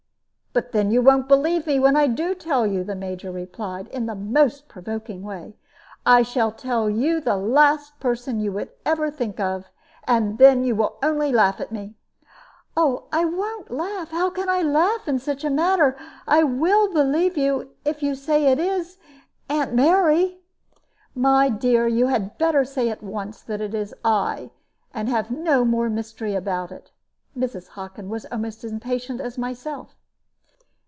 "But then you won't believe me when I do tell you," the Major replied, in the most provoking way. "I shall tell you the last person you would ever think of, and then you will only laugh at me." "I won't laugh; how can I laugh in such a matter? I will believe you if you say it is Aunt Mary." "My dear, you had better say at once that it is I, and have no more mystery about it." Mrs. Hockin was almost as impatient as myself.